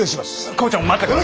校長待って下さい。